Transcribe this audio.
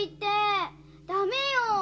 ダメよ！